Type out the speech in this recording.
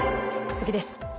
次です。